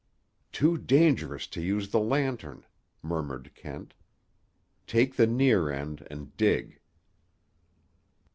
"Too dangerous to use the lantern," murmured Kent. "Take the near end and dig."